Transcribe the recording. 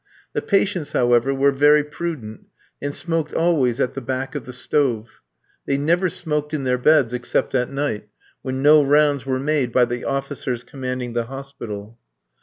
The patients, however, were very prudent, and smoked always at the back of the stove. They never smoked in their beds except at night, when no rounds were made by the officers commanding the hospital.